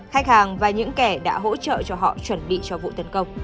khách hàng và những kẻ đã hỗ trợ cho họ chuẩn bị cho vụ tấn công